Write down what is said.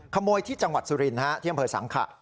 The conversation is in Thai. ขโมยที่จังหวัดสุรินที่อำเภอสังขะ